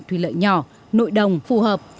thủy lợi nhỏ nội đồng phù hợp